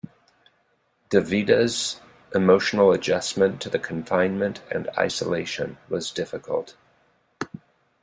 DeVita's emotional adjustment to the confinement and isolation was difficult.